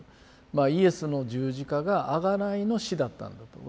まあイエスの十字架があがないの死だったんだと。